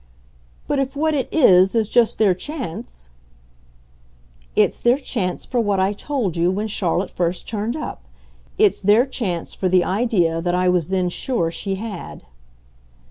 "But if what it 'is' is just their chance ?" "It's their chance for what I told you when Charlotte first turned up. It's their chance for the idea that I was then sure she had."